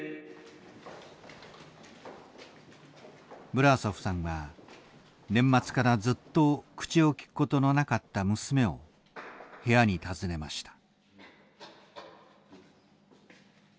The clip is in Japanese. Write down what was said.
ブラーソフさんは年末からずっと口をきくことのなかった娘を部屋に訪ねました。